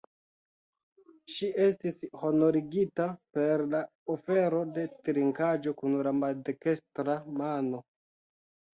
Ŝi estis honorigita per la ofero de trinkaĵo kun la maldekstra mano.